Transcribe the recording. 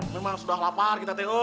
memang sudah lapar kita tengo